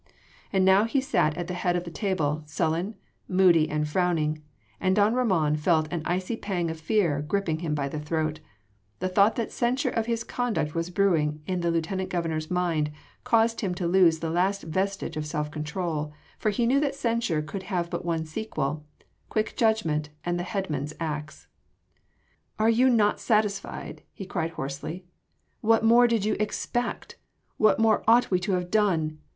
And now he sat at the head of the table sullen, moody and frowning, and don Ramon felt an icy pang of fear gripping him by the throat: the thought that censure of his conduct was brewing in the Lieutenant Governor’s mind caused him to lose the last vestige of self control, for he knew that censure could have but one sequel quick judgment and the headman’s axe. "Are you not satisfied?" he cried hoarsely. "What more did you expect? What more ought we to have done?